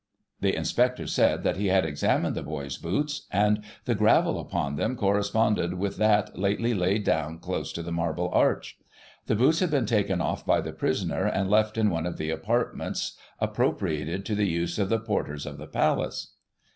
The inspector said that he had examined the boy's boots, and the gravel upon them corresponded with that lately laid down close to the Marble Arch. The boots had been taken off by the prisoner, and left in one of the apartments appro priated to the use of the porters of the Palace.